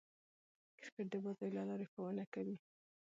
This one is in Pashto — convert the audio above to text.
کرکټ د بازيو له لاري ښوونه کوي.